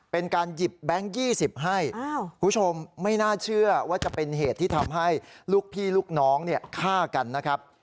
เป็นการหยิบแบงค์๒๐ให้คุณผู้ชมไม่น่าเชื่อว่าจะเป็นเหตุที่ทำให้ลูกพี่ลูกน้องฆ่ากันนะครับ